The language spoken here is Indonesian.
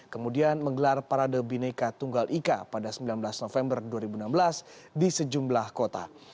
kemudian menggelar parade bineka tunggal ika pada sembilan belas november dua ribu enam belas di sejumlah kota